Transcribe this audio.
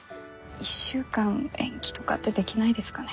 １週間延期とかってできないですかね？